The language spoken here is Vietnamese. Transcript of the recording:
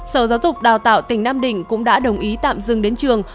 sở giáo dục đào tạo tỉnh nam định cũng đã đồng ý tạm dừng đến trường